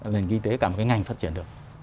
nền kinh tế cả một cái ngành phát triển được